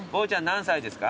何歳ですか？